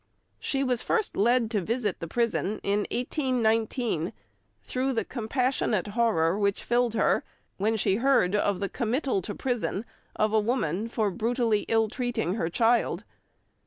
She was first led to visit the prison in 1819, through the compassionate horror which filled her when she heard of the committal to prison of a woman for brutally ill treating her child.